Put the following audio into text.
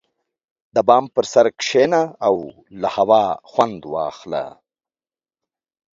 • د بام پر سر کښېنه او هوا خوند واخله.